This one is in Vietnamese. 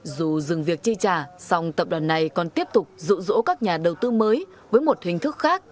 dù dừng việc chi trả song tập đoàn này còn tiếp tục rụ rỗ các nhà đầu tư mới với một hình thức khác